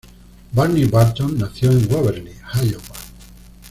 Barney Barton nació en Waverly, Iowa.